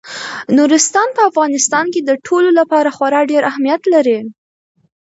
نورستان په افغانستان کې د ټولو لپاره خورا ډېر اهمیت لري.